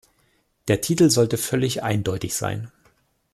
Der Titel sollte völlig eindeutig sein.